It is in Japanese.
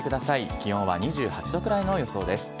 気温は２８度くらいの予想です。